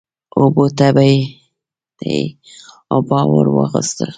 اوبو ته يې عبا ور واغوستل